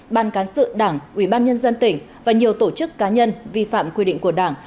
ban cán sự đảng ủy ban nhân dân tỉnh và nhiều tổ chức cá nhân vi phạm quy định của đảng